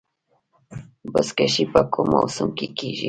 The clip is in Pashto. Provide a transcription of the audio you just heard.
بزکشي په کوم موسم کې کیږي؟